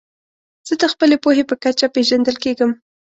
زه د خپلي پوهي په کچه پېژندل کېږم.